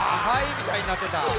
みたいになってた。